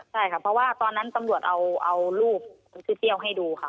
ได้ครับเพราะตอนนั้นตำรวจเอารูปชื่อเปรียวให้ดูค่ะ